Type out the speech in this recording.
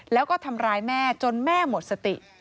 แล้วก็ทำร้ายแม่จนแม่หมดสติ